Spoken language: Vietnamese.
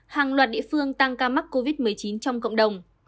hàng loạt địa phương tăng ca mắc covid một mươi chín trong cộng đồng